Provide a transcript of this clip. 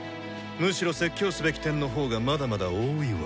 むしろ説教すべき点の方がまだまだ多いわ。